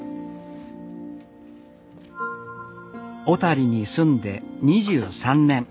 小谷に住んで２３年。